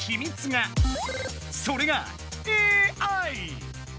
それがＡＩ！